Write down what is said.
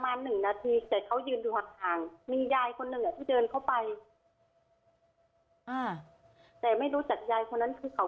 ตมันหนึ่งนาทีจะเขายืนถูกหักข้างมียายคนหน่อยออกไปแต่ไม่รู้จักยายคนนั้นคือเขา